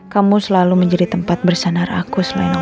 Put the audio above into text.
kamu selalu menjadi tempat bersanar aku selain omah